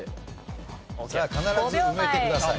さあ必ず埋めてください。